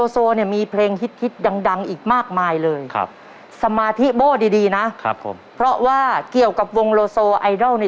ตอนที่ดูในเรื่องราวนะ